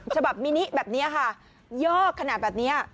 ฉบับมินิแบบนี้ค่ะย่อขนาดแบบนี้